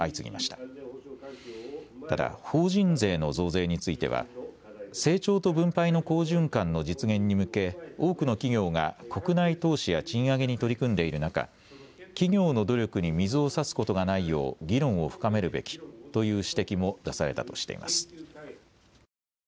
ただ、法人税の増税については成長と分配の好循環の実現に向け多くの企業が国内投資や賃上げに取り組んでいる中、企業の努力に水を差すことがないよう議論を深めるべきという指摘も出されたとしています。